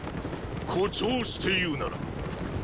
誇張して言うならーー